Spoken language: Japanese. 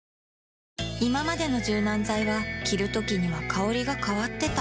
いままでの柔軟剤は着るときには香りが変わってた